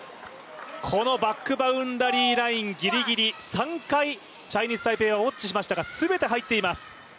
このバックバウンダリーラインギリギリ、３回、チャイニーズ・タイペイをウォッチしましたが全て入っています。